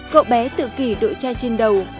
cậu bé tự kỷ đội trai trên đầu